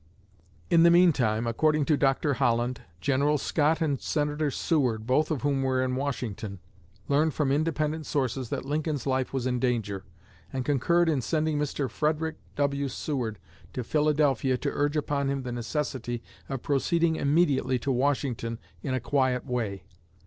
In the meantime, according to Dr. Holland, General Scott and Senator Seward, both of whom were in Washington, learned from independent sources that Lincoln's life was in danger, and concurred in sending Mr. Frederick W. Seward to Philadelphia to urge upon him the necessity of proceeding immediately to Washington in a quiet way.